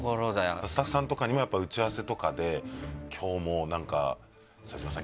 スタッフさんとかにもやっぱ打ち合わせとかで今日もなんか。